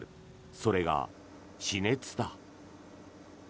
それが地熱だ。